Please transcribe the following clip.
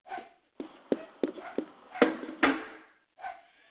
Radim Sršeň je ženatý.